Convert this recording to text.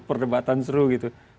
perdebatan seru gitu